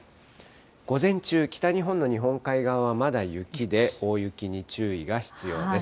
午前中、北日本の日本海側はまだ雪で、大雪に注意が必要です。